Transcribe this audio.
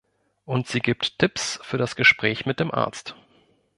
Und sie gibt Tipps für das Gespräch mit dem Arzt.